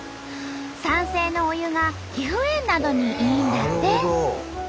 酸性のお湯が皮膚炎などにいいんだって。